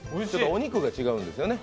お肉が違うんですよね。